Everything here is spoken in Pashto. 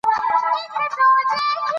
د ماشومانو لپاره تعلیم ضروري ده